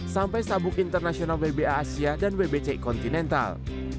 sampai sabuk internasional wba asia dan wbci kontinental